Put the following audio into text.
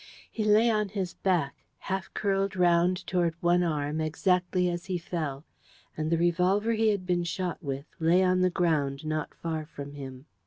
He lay on his back, half curled round toward one arm, exactly as he fell. And the revolver he had been shot with lay on the ground not far from him.